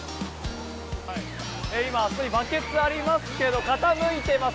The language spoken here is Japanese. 今、あそこにバケツがありますけど傾いています。